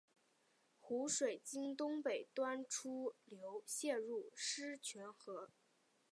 湖水经东北端出流泄入狮泉河。